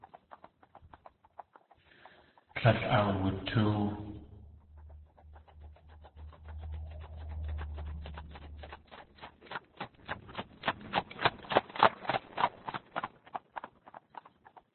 Tlél awutóow.